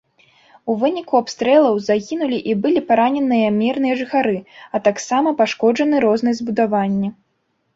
У выніку абстрэлаў загінулі і былі параненыя мірныя жыхары, а таксама пашкоджаны розныя збудаванні.